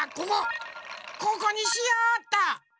ここにしようっと。